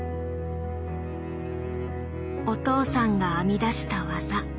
お父さんが編み出した技。